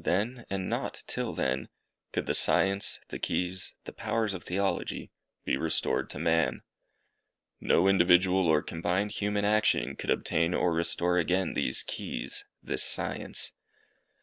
Then, and not till then, could the science, the keys, the powers of Theology, be restored to man. No individual or combined human action could obtain or restore again these keys this science.